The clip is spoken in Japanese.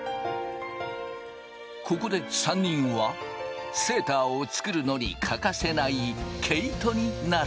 ここで３人はセーターを作るのに欠かせない毛糸になる。